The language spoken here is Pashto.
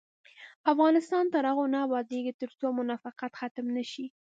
افغانستان تر هغو نه ابادیږي، ترڅو منافقت ختم نشي.